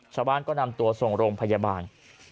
ชาวบ้านก็นำตัวส่งโรงพยาบาล